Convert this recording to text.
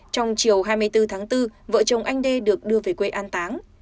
trong chiều hai mươi bốn tháng bốn vợ chồng anh đê được đưa về quê an táng